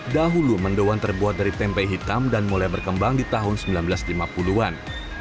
dahulu mendoan terbuat dari tempe hitam dan mulai berkembang di tahun seribu sembilan ratus lima puluh an